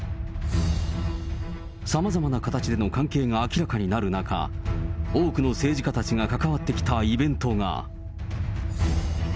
さまざまな形での関係が明らかになる中、多くの政治家たちが関わってきたイベントが。